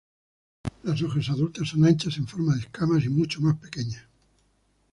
Las hojas adultas son anchas, en forma de escamas y mucho más pequeñas.